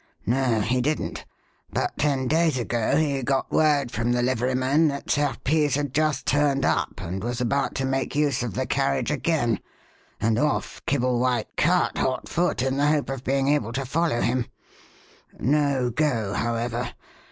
"No; he didn't. But ten days ago he got word from the liveryman that Serpice had just turned up and was about to make use of the carriage again; and off Kibblewhite cut, hotfoot, in the hope of being able to follow him. No go, however.